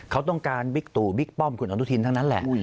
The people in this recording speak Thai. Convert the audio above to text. เขาต้องการบิ๊กตู่บิ๊กป้อมคุณอนุทินทั้งนั้นแหละ